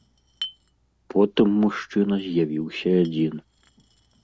Потым мужчына з'явіўся адзін.